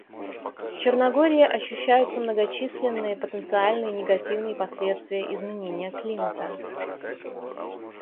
В Черногории ощущаются многочисленные потенциальные негативные последствия изменения климата.